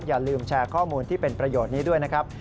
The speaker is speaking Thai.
อย่าลืมแชร์ข้อมูลที่เป็นประโยชน์นี้ด้วยนะครับ